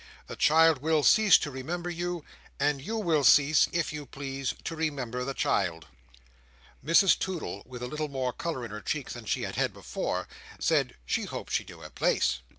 The child will cease to remember you; and you will cease, if you please, to remember the child." Mrs Toodle, with a little more colour in her cheeks than she had had before, said "she hoped she knew her place."